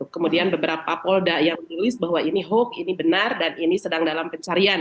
kemudian beberapa polda yang menulis bahwa ini hoax ini benar dan ini sedang dalam pencarian